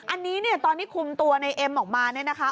อันนี้เนี่ยตอนที่คุมตัวในเอ็มออกมาเนี่ยนะคะ